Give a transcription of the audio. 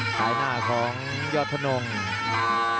สายหน้าของยอดทนง